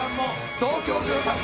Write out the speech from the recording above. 東京０３も。